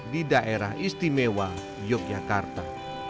di daerah istimewa yogyakarta